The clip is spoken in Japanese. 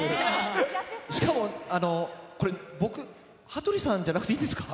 しかもこれ、僕、羽鳥さんじゃなくていいんですか？